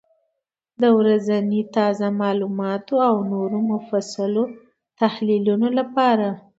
د ورځني تازه معلوماتو او نورو مفصلو تحلیلونو لپاره،